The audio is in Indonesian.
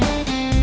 ya itu dia